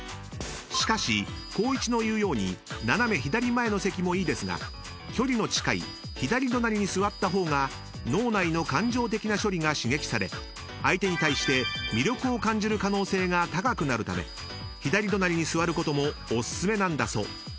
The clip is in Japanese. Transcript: ［しかし光一の言うように斜め左前の席もいいですが距離の近い左隣に座った方が脳内の感情的な処理が刺激され相手に対して魅力を感じる可能性が高くなるため左隣に座ることもお薦めなんだそう］